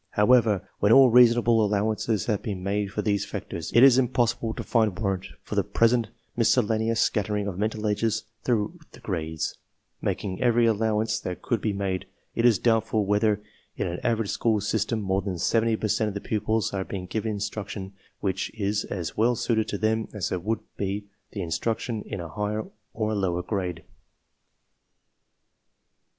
How ever, when all reasonable allowance has been made for . these factors, it is impossible to find warrant for the present miscellaneous scattering of mental ages through the grades. Making every allowance that could be \ 12 TESTS AND SCHOOL REORGANIZATION \ made, it is doubtful whether in an average school sys j tern more than 70 per cent of the pupils are being given | instruction which is as well suited to them as would be \ the instruction in a higher or a lower grade.